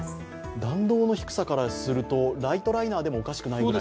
弾道の低さからすると、ライトライナーでもおかしくないくらい。